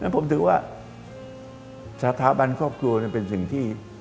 ผมถือว่าสถาบันครอบครัวเป็นสิ่งที่